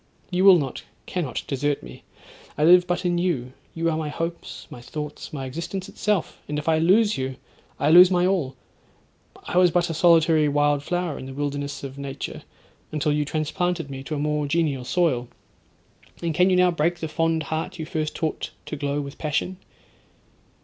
"—you will not—cannot desert me. I live but in you; you are my hopes, my thoughts, my existence itself: and if I lose you, I lose my all—I was but a solitary wild flower in the wilderness of nature, until you transplanted me to a more genial soil; and can you now break the fond heart you first taught to glow with passion?'